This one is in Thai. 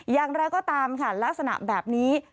อย่างไรก็ตามค่ะลักษณะแบบนี้